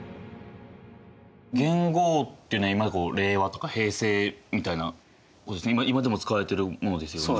元号っていうのは令和とか平成みたいな今でも使われてるものですよね？